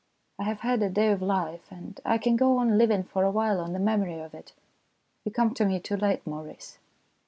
I have had a day of life, and I can go on living for a while on the memory of it. You come to me too late, Maurice."